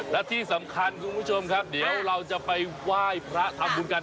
และที่สำคัญคุณผู้ชมครับเดี๋ยวเราจะไปไหว้พระทำบุญกัน